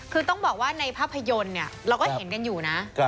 คือต้องบอกว่าในภาพยนตร์เนี่ยเราก็เห็นกันอยู่นะ